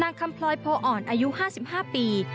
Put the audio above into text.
คำพลอยโพออ่อนอายุ๕๕ปี